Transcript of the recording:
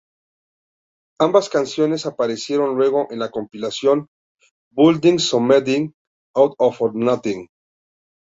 Ambas canciones aparecieron luego en la compilación Building Something Out Of Nothing.